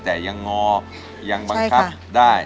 แต่ยังงอยังบังคับได้